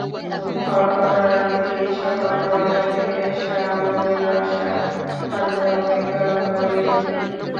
ঘটনার দিন সকাল নয়টা থেকে শাহ আলমের বাসার সামনে অপেক্ষা করেন তিনি।